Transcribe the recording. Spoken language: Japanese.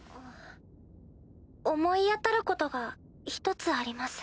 思い当たることが１つあります。